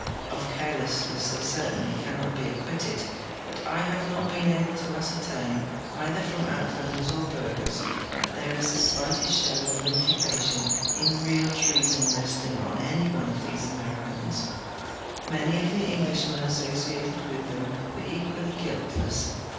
Of care lessne.ss they certainly cannot he acciuitted, Imt I have not been able to ascertain, either from Uitlanders or Burghers, that there is the slightest shadow of implication in real treason resting on any one of these Americans. Many of the Englishmen asso ciated with them were equally guiltle.ss.